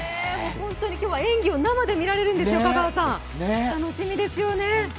本当に今日は演技を生で見られるんですよ、楽しみですね。